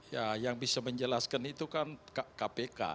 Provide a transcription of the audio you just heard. ya yang bisa menjelaskan itu kan kpk